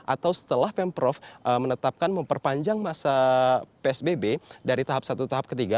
atau setelah pemprov menetapkan memperpanjang masa psbb dari tahap satu tahap ketiga